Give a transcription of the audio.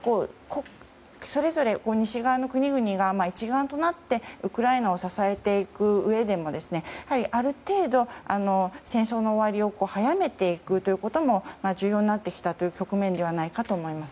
それぞれ西側の国々が一丸となってウクライナを支えていくうえでもある程度、戦争の終わりを早めていくということも重要になってきたという局面ではないかと思います。